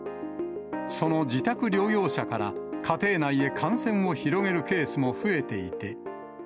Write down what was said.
その自宅療養者から、家庭内へ感染を広げるケースも増えていて。